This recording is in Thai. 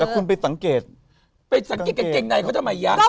แต่คุณไปสังเกตไปสังเกตกับเกงในเขาจะมาอย่างเงี้ย